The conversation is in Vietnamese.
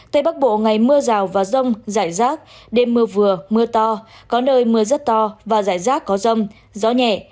tây bắc bộ ngày mưa rào và rông rải rác đêm mưa vừa mưa to có nơi mưa rất to và rải rác có rông gió nhẹ